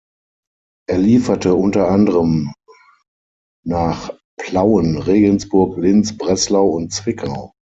Er lieferte unter anderem nach Plauen, Regensburg, Linz, Breslau und Zwickau.